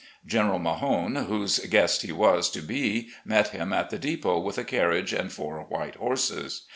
General Mahone, whose guest he was to be, met him at the depot with a carriage and four white horses.